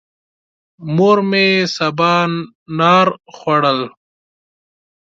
مور مې سبانار خوړل.